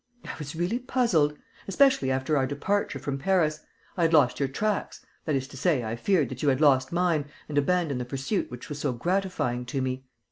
I was really puzzled. Especially after our departure from Paris. I had lost your tracks, that is to say, I feared that you had lost mine and abandoned the pursuit which was so gratifying to me.